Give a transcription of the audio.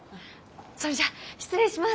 それじゃあ失礼します。